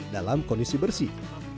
dalam kondisi bersih